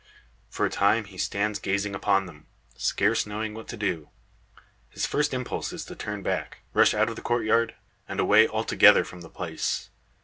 For a time he stands gazing upon them, scarce knowing what to do. His first impulse is to turn back, rush out of the courtyard, and away altogether from the place.